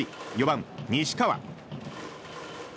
４番、西川。